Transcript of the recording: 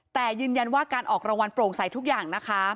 แต่ยืนยันว่าการออกรางวัลโปร่งใสทุกอย่างนะคะ